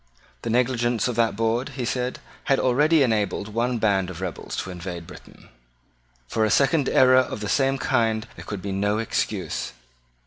The negligence of that board, he said, had already enabled one band of rebels to invade Britain. For a second error of the same kind there could be no excuse.